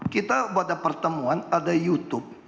kita pada pertemuan ada youtube